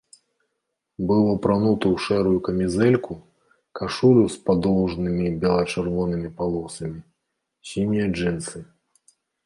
Быў апрануты ў шэрую камізэльку, кашулю з падоўжнымі бела-чырвонымі палосамі, сінія джынсы.